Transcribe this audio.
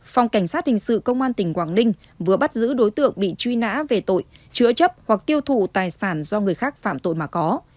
phòng cảnh sát hình sự công an tỉnh quảng ninh vừa bắt giữ đối tượng bị truy nã về tội chứa chấp hoặc tiêu thụ tài sản do người khác phạm tội mà có